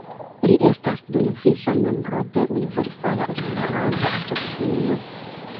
Li estas dumviva membro de Universala Esperanto-Asocio.